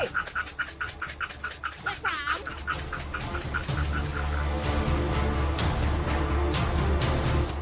เฮ้ย